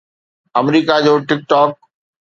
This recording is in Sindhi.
آمريڪا جو ٽڪ ٽاڪ